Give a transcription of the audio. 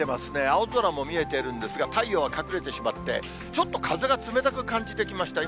青空も見えてるんですが、太陽は隠れてしまって、ちょっと風が冷たく感じてきました。